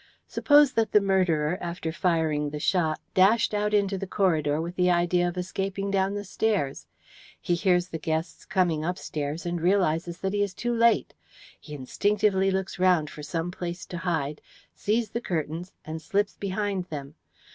Suppose that the murderer, after firing the shot, dashed out into the corridor with the idea of escaping down the stairs. He hears the guests coming upstairs, and realizes that he is too late. He instinctively looks round for some place to hide, sees the curtains, and slips behind them.